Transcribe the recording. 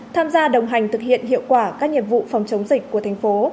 tham gia đồng hành thực hiện hiệu quả các nhiệm vụ phòng chống dịch của tp hcm